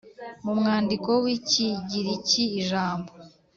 Mu mwandiko w ikigiriki ijambo